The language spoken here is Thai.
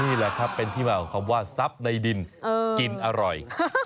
อื้อนี่แหละครับเป็นที่แบบคำว่าซับในดินกินอร่อย